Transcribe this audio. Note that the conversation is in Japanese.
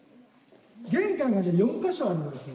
玄関が４か所あるんです。